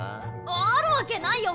あるわけないよ。